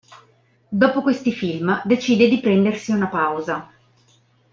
Dopo questi film decide di prendersi una pausa.